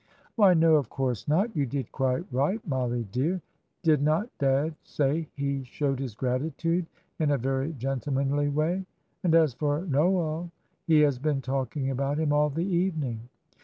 '" "Why no, of course not. You did quite right, Mollie dear. Did not dad say he showed his gratitude in a very gentlemanly way. And as for Noel, he has been talking about him all the evening."